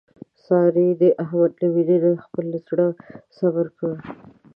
سارې د احمد له مینې نه خپل زړه صبر کړ.